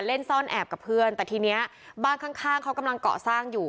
เล่นซ่อนแอบกับเพื่อนแต่ทีนี้บ้านข้างเขากำลังเกาะสร้างอยู่